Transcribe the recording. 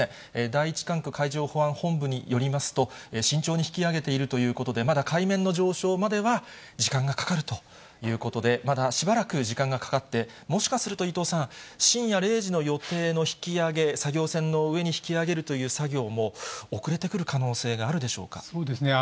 第１管区海上保安本部によりますと、慎重に引き揚げているということで、まだ海面の上昇までは時間がかかるということで、まだしばらく時間がかかって、もしかすると伊藤さん、深夜０時の予定の引き揚げ、作業船の上に引き揚げるという作業も、遅れてくる可能性があるでそうですね。